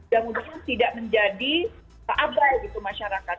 dan mungkin tidak menjadi keabal gitu masyarakat